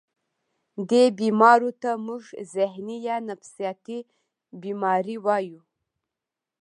دې بيمارو ته مونږ ذهني يا نفسياتي بيمارۍ وايو